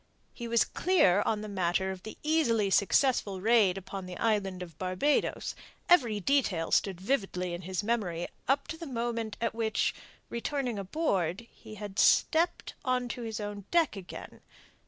He was clear on the matter of the easily successful raid upon the Island of Barbados; every detail stood vividly in his memory up to the moment at which, returning aboard, he had stepped on to his own deck again.